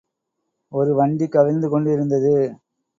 ஒரு வண்டி கவிழ்ந்து கொண்டிருந்தது.